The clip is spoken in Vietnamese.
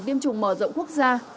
tiêm chủng mở rộng quốc gia